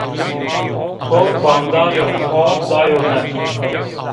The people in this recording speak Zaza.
To banderê xo dayo mi